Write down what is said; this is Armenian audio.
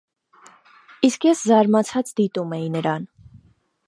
Իսկ ես զարմացած դիտում էի նրան: